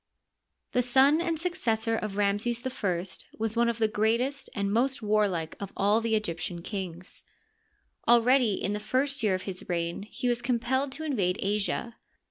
The son and successor of Ramses I was one of the greatest and most warlike of all the Egyptian kings. Al ready in the first year of his reign he was compelled to in vade Asia.